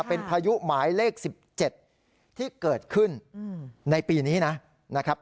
เป็นพายุหมายเลข๑๗ที่เกิดขึ้นในปีนี้นะครับ